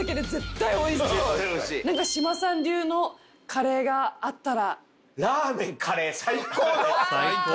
志麻さん流のカレーがあったら。